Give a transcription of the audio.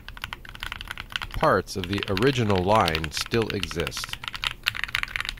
Parts of the original line still exist.